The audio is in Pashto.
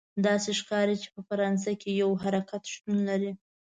داسې ښکاري چې په فرانسه کې یو حرکت شتون لري.